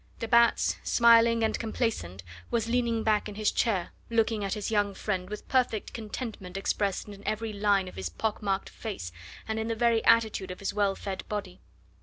De Batz, smiling and complacent, was leaning back in his chair, looking at his young friend with perfect contentment expressed in every line of his pock marked face and in the very attitude of his well fed body.